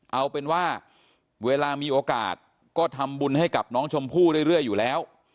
เอาเป็นว่าเวลามีโอกาสก็ทำบุญให้กับน้องชมพู่เรื่อยอยู่แล้ว